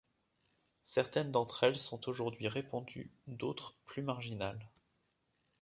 Certaines d'entre elles sont aujourd'hui répandues, d'autres, plus marginales.